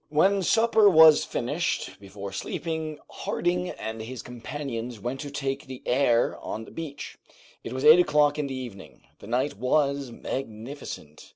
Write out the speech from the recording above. When supper was finished, before sleeping, Harding and his companions went to take the air on the beach. It was eight o'clock in the evening; the night was magnificent.